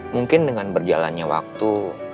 mungkin dengan berjalannya waktu